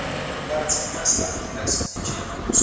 د لويي جرګې پر مهال څوک دندي ته نه ځي؟